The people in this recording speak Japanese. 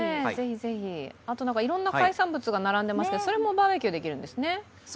あと、いろんな海産物が並んでいますが、それもバーベキューできるんですね？